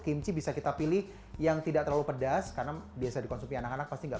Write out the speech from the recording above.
kimchi bisa kita pilih yang tidak terlalu pedas karena biasa dikonsumsi anak anak pasti nggak